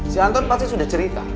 si anton pasti sudah cerita